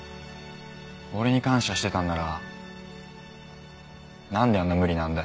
俺に感謝してたんならなんであんな無理難題。